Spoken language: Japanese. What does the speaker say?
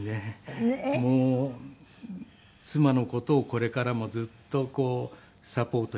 もう妻の事をこれからもずっとサポートしながら。